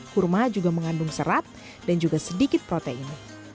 kurma juga mengandung serat dan juga sedikit protein